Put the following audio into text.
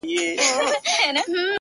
رانه هېريږي نه خيالونه هېرولاى نه ســم ـ